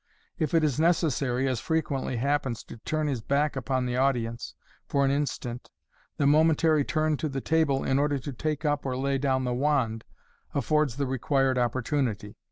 If it is neces* sary, as frequently happens, to turn his back upon the audience for an instant, the momentary turn to the table, in order to take up or lay down the wand, affords the required opportunity.